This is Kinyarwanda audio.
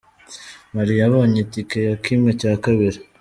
Mali yabonye itike ya kimwe cya kabiri